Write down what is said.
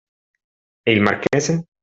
E il marchese?